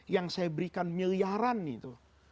yang saya berikan miliaran itu